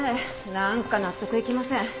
なんか納得いきません。